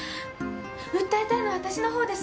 訴えたいのはわたしのほうです。